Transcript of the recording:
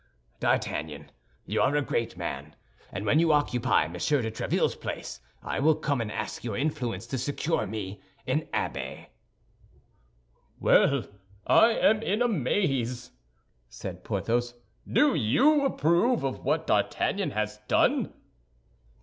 D'Artagnan, you are a great man; and when you occupy Monsieur de Tréville's place, I will come and ask your influence to secure me an abbey." "Well, I am in a maze," said Porthos; "do you approve of what D'Artagnan has done?"